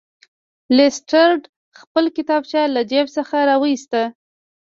لیسټرډ خپله کتابچه له جیب څخه راویسته.